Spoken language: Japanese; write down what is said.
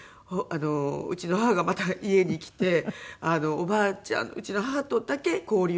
うちの母がまた家に来ておばあちゃんうちの母とだけ交流をするみたいな。